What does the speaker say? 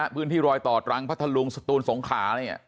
พื้นที่รอยต่อตรังพระทะลุงสตูนสงขา